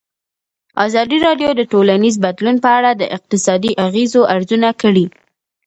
ازادي راډیو د ټولنیز بدلون په اړه د اقتصادي اغېزو ارزونه کړې.